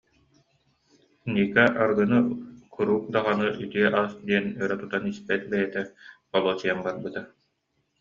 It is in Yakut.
Ника арыгыны куруук даҕаны үтүө ас диэн өрө тутан испэт бэйэтэ холуочуйан барбыта